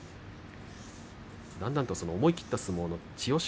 だんだんと思い切った相撲千代翔